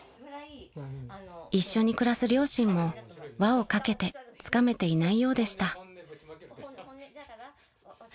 ［一緒に暮らす両親も輪をかけてつかめていないようでした］